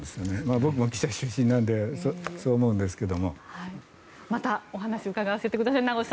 僕も記者出身なのでそう思うんですけど。